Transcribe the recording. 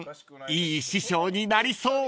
いい師匠になりそう］